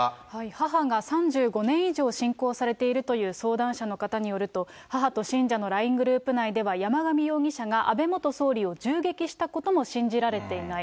母が３５年以上信仰されているという相談者の方によると、母と信者のＬＩＮＥグループ内では、山上容疑者が安倍元総理を銃撃したことも信じられていない。